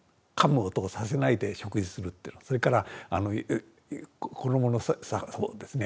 それから衣の作法ですね